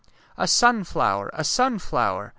"" A sunflower! A sunflower!